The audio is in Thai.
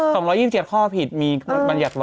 ๒๒๐เสียบข้อผิดมีบรรยากไว้